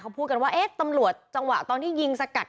เขาพูดกันว่าเอ๊ะตำรวจจังหวะตอนที่ยิงสกัด